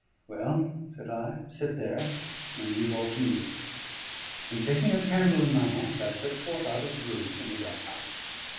"Well," said I, "sit there, and leave all to me." And taking a candle in my hand, I set forth out of the room in the dark house.